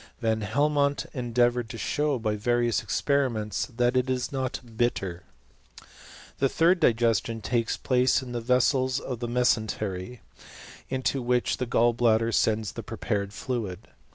Van Helmont endeavoured to show by various experiments that it^; is not bitter, . .a . The 'third digestion takes place in the vessels ojfj^ the mesentery, into which the gall bladder sends tlif^ r prepared fluid.